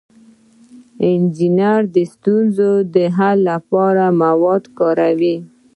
انجینر د ستونزو د حل لپاره مواد کاروي.